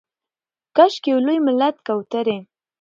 کاشکي یو لوی ملت کوترې